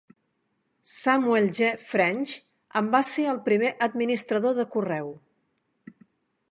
Samuel G. French en va ser el primer administrador de correu.